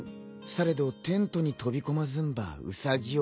されどテントに飛び込まずんばウサギを得ず。